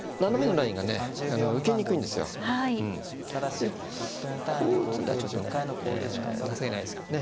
でこう打つんではちょっとねえ情けないですからね。